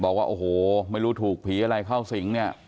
บอกว่าโอ้โหไม่รู้ถูกผีอะไรเข้าสิงเนี่ย